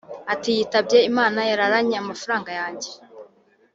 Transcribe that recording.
Ati “Yitabye Imana yararanye amafaranga yanjye